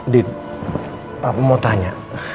dit papa mau tanya